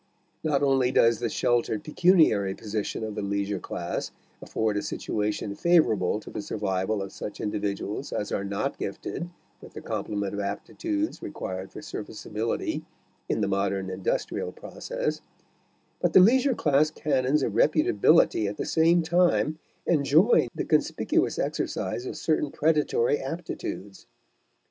Not only does the sheltered pecuniary position of the leisure class afford a situation favorable to the survival of such individuals as are not gifted with the complement of aptitudes required for serviceability in the modern industrial process; but the leisure class canons of reputability at the same time enjoin the conspicuous exercise of certain predatory aptitudes.